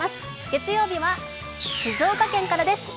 月曜日は静岡県からです。